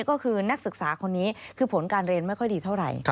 ก็คือนักศึกษาคนนี้คือผลการเรียนไม่ค่อยดีเท่าไหร่